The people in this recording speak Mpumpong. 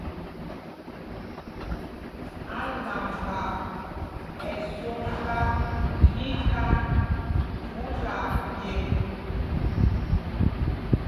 Álamba ɛ swɔŋla míkand phúla pyemb.